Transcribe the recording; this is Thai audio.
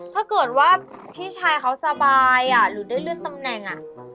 ถ้าเกิดว่าพี่ชายเขาสบายหรือได้เลื่อนตำแหน่ง